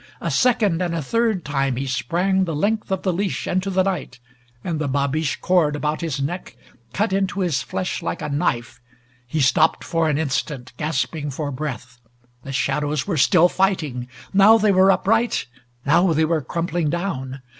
A second and a third time he sprang the length of the leash into the night, and the babiche cord about his neck cut into his flesh like a knife. He stopped for an instant, gasping for breath. The shadows were still fighting. Now they were upright! Now they were crumpling down!